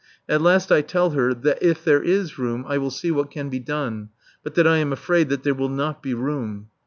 At last I tell her that if there is room I will see what can be done, but that I am afraid that there will not be room.